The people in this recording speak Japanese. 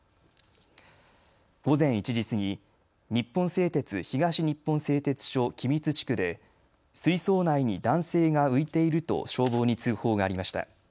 午前１時過ぎ日本製鉄東日本製鉄所君津地区で水槽内に男性が浮いていると消防に通報がありました。